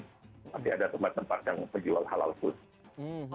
tapi ada tempat tempat yang berjual halal food